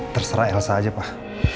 terserah elsa aja pak